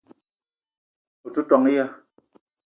O te ton ya?